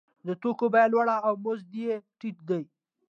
د توکو بیه لوړه او مزد یې ټیټ دی